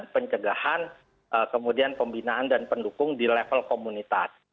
pencegahan kemudian pembinaan dan pendukung di level komunitas